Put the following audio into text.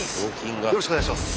よろしくお願いします。